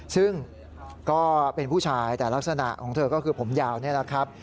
ซึ่งก็เป็นผู้ชายแต่ลักษณะของเธอก็คือผมยาวนี่แหละครับ